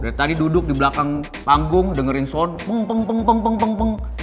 dari tadi duduk di belakang panggung dengerin sound